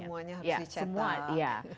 semuanya harus dicetak